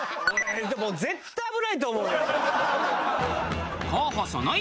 絶対危ないと思うよ。